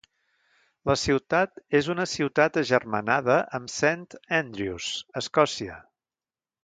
La ciutat és una ciutat agermanada amb Saint Andrews, Escòcia.